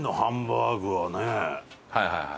はいはいはい。